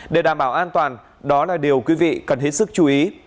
để đảm bảo an toàn đó là điều quý vị cần hết sức chú ý